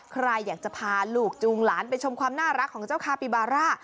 ใครอยากจะพาลูกจูงหลานไปชมความน่ารักของเจ้าคาปิบาร่า